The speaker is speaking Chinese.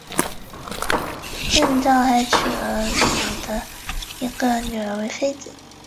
郑昭还娶了努的一个女儿为妃子。